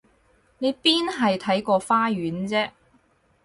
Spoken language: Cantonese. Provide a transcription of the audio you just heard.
你邊係睇個花園啫？